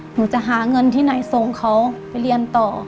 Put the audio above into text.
หนูจะหาเงินที่ไหนส่งเขาไปเรียนต่อ